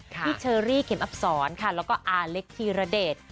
เชอรี่เข็มอับศรค่ะแล้วก็อาเล็กธีรเดช